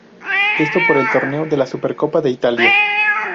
Esto por el torneo de la Supercopa de Italia.